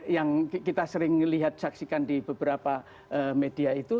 yang kita sering lihat saksikan di beberapa media itu